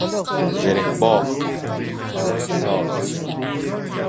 زره باف ـ زره ساز